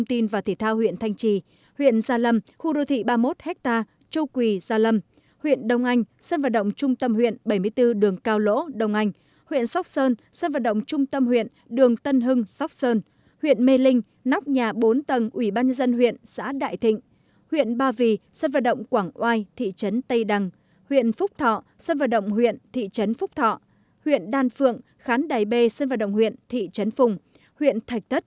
gia lâm khu đô thị ba mươi một ha châu quỳ gia lâm huyện đông anh sân vật động trung tâm huyện bảy mươi bốn đường cao lỗ đông anh huyện sóc sơn sân vật động trung tâm huyện đường tân hưng sóc sơn huyện mê linh nóc nhà bốn tầng ủy ban dân huyện xã đại thịnh huyện ba vì sân vật động quảng oai thị trấn tây đăng huyện phúc thọ sân vật động huyện thị trấn phúc thọ huyện đan phượng khán đài bê sân vật động huyện thị trấn phùng huyện th